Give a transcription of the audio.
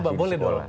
coba boleh dong